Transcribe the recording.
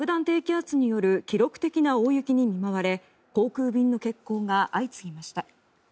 低気圧による記録的な大雪に見舞われ航空便の欠航が相次ぎました。